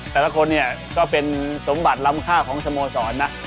แต่ละคนเนี่ยก็เป็นสมบัติลำค่าของสโมสรนะ